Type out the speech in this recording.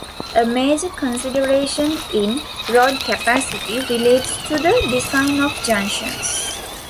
A major consideration in road capacity relates to the design of junctions.